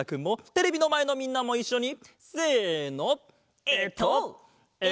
テレビのまえのみんなもいっしょに。